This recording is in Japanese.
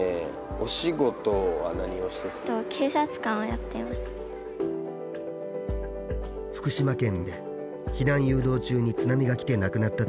福島県で避難誘導中に津波が来て亡くなったという佐藤政美さん。